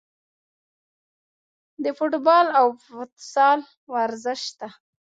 د فوټبال او فوتسال ورزش ته